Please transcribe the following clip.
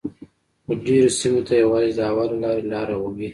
خو ډیری سیمو ته یوازې د هوا له لارې لاره وي